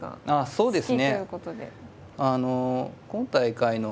そうですね。